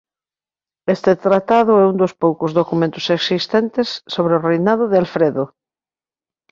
Este tratado é un dos poucos documentos existentes sobre o reinado de Alfredo.